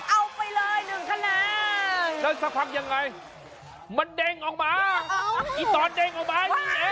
เอาไปเลย๑คะแนนแล้วสักพักยังไงมันเด้งออกมาอีตอนเด้งออกมานี่